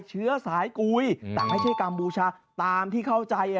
เชื้อสายกุยแต่ไม่ใช่กัมพูชาตามที่เข้าใจ